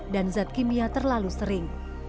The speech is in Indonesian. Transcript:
dan zat kimia terlalu sering